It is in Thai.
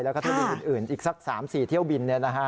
แล้วก็เที่ยวบินอื่นอีกสัก๓๔เที่ยวบิน